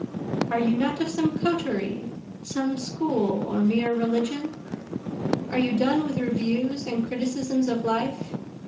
Are you not of some coterie? some school or mere religion? Are you done with reviews and criticisms of life?